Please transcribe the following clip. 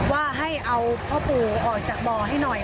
ว่าให้เอาพ่อปู่ออกจากบ่อให้หน่อย